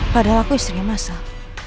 padahal aku istrinya masal